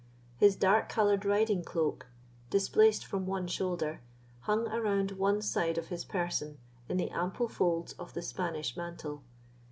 His dark coloured riding cloak, displaced from one shoulder, hung around one side of his person in the ample folds of the Spanish mantle.